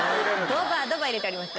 ドバドバ入れております。